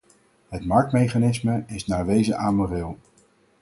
Het marktmechanisme is naar wezen amoreel.